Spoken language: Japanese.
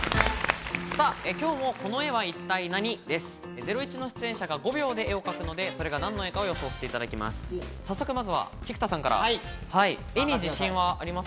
『ゼロイチ』の出演者が５秒で絵を描くので、それが何の絵かを予想していただきます。